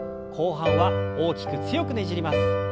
後半は大きく強くねじります。